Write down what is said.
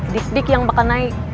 dis dik yang bakal naik